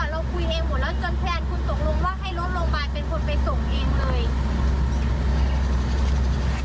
จนแผนคุณส่งลงว่าให้รถโรงพยาบาลเป็นคนไปส่งอีนเลย